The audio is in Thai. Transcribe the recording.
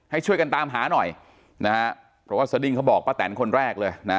ให้ช่วยกันตามหาหน่อยนะฮะเพราะว่าสดิ้งเขาบอกป้าแตนคนแรกเลยนะ